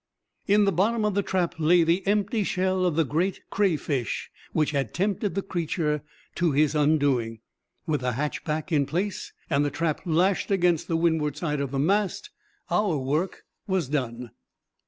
In the bottom of the trap lay the empty shell of the great crayfish which had tempted the creature to his undoing. With the hatch back in place, and the trap lashed against the windward side of the mast, our work was done.